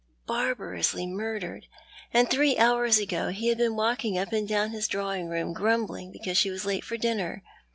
Barbarously murdered ; and three hours ago he had been walking up and down his drawing room grumbling because she was late for dinner.